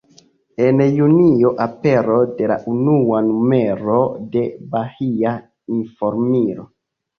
En Junio apero de la unua numero de “Bahia Informilo”.